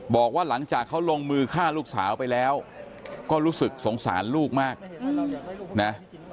บอกว่าหลังจากเขาลงมือฆ่าลูกสาวไปแล้วก็รู้สึกสงสารลูกมากนะ